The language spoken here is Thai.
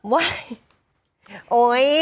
เว้ยโอ๊ย